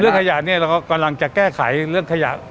ขยะเนี่ยเราก็กำลังจะแก้ไขเรื่องขยะ